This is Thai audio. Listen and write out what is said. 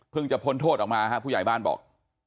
จะพ้นโทษออกมาฮะผู้ใหญ่บ้านบอก